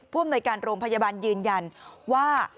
อำนวยการโรงพยาบาลยืนยันว่า